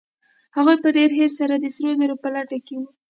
هغوی په ډېر حرص سره د سرو زرو په لټه کې وو.